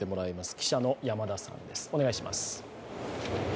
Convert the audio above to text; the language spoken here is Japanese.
記者の山田さんです。